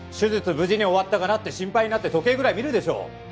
無事に終わったかなって心配になって時計ぐらい見るでしょ！